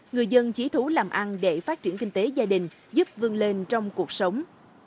người dân chí thú làm ăn để phát triển kinh tế gia đình giúp vương lên trong cuộc sống